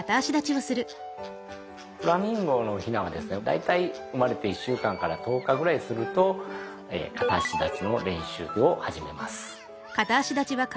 フラミンゴのヒナは大体生まれて１週間から１０日ぐらいすると片足立ちの練習を始めます。